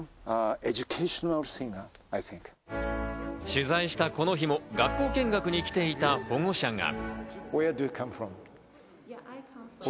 取材したこの日も学校見学に来ていた保護者が。